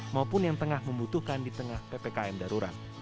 maupun yang tengah membutuhkan di tengah ppkm darurat